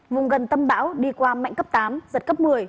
vùng gần tâm bão đi qua mạnh cấp tám giật cấp một mươi